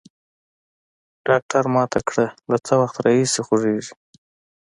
ډاکتر ما ته کړه له څه وخت راهيسي خوږېږي.